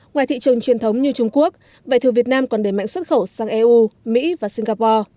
ngoài thị trường truyền thống như trung quốc vải thiều việt nam còn đề mạnh xuất khẩu sang eu mỹ và singapore